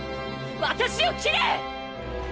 私を斬れ！